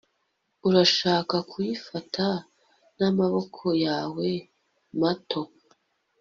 urashaka kuyifata n'amaboko yawe mato